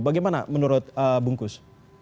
bagaimana menurut bungkus